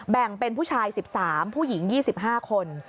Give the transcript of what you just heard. แบ่งเป็นผู้ชาย๑๓ผู้หญิง๒๕คน